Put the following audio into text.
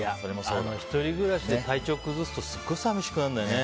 １人暮らしで体調崩すとすごく寂しくなるんだよね。